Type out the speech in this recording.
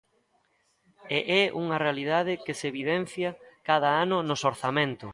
E é unha realidade que se evidencia cada ano nos orzamentos.